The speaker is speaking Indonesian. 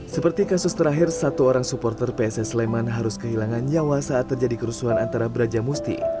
seperti kasus terakhir satu orang supporter pss leman harus kehilangan nyawa saat terjadi kerusuhan antara brajamusti